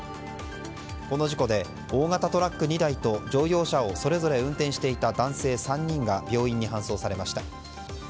この事故で大型トラック２台と乗用車をそれぞれ運転していた男性３人が病院に搬送されました。